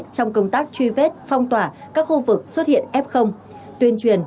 trong công tác truy vết phong tỏa các khu vực xuất hiện f tuyên truyền